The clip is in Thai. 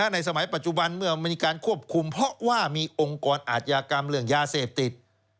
ในสมัยปัจจุบันเมื่อมีการควบคุมเพราะว่ามีองค์กรอาชญากรรมเรื่องยาเสพติด